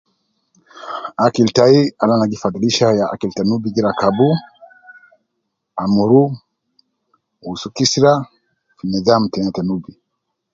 Akil tai Al ana gi fadhilisha ya akil ta Nubi gi rakabu, amuru, wusu kisira nidham tena ta nubi